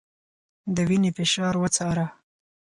د وينې فشار وڅاره